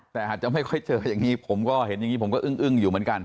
แต่อาจจะไม่ค่อยเจออย่างนี้ผมก็เห็นอย่างนี้ผมก็อึ้งอยู่เหมือนกัน